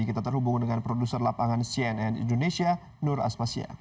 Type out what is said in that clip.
kita terhubung dengan produser lapangan cnn indonesia nur aspasya